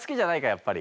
やっぱり。